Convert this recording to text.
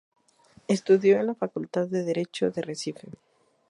Estudió en la Facultad de Derecho de Recife.